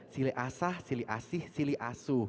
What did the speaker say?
sili asah sili asih sili asuh